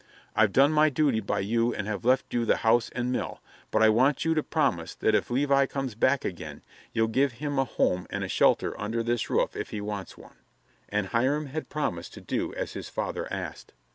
I've done my duty by you and have left you the house and mill, but I want you to promise that if Levi comes back again you'll give him a home and a shelter under this roof if he wants one." And Hiram had promised to do as his father asked.